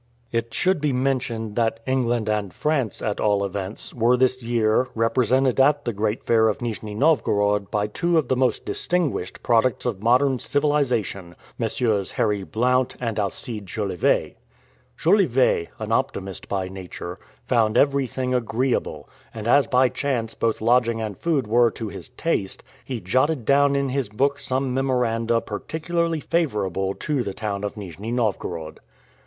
It should be mentioned that England and France, at all events, were this year represented at the great fair of Nijni Novgorod by two of the most distinguished products of modern civilization, Messrs. Harry Blount and Alcide Jolivet. Jolivet, an optimist by nature, found everything agreeable, and as by chance both lodging and food were to his taste, he jotted down in his book some memoranda particularly favorable to the town of Nijni Novgorod.